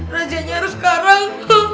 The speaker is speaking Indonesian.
rajanya harus karang